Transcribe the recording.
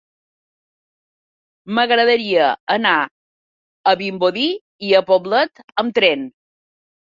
M'agradaria anar a Vimbodí i Poblet amb tren.